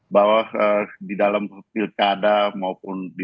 bahwa di dalam pilkada maupun di